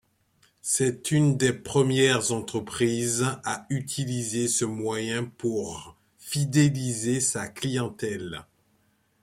C’est une des premières entreprises à utiliser ce moyen pour fidéliser sa clientèle.